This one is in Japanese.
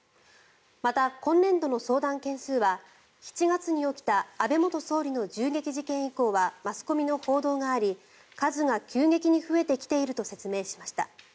また、今年度の相談件数は７月に起きた安倍元総理の銃撃事件以降はマスコミの報道があり数が急激に増えてきていると説明しました。